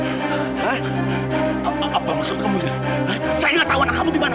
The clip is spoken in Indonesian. saya gak tau anak kamu dimana saya dan ini